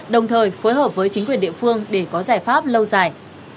đồng thời phối hợp với chính quyền địa phương để có giải pháp lâu dài